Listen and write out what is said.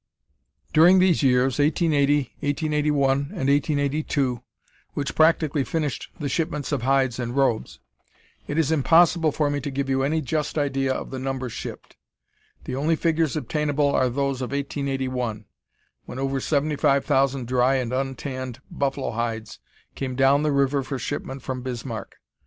During these years, 1880, 1881, and 1882, which practically finished the shipments of hides and robes, it is impossible for me to give you any just idea of the number shipped. The only figures obtainable are those of 1881, when over seventy five thousand dry and untanned buffalo hides came down the river for shipment from Bismarck.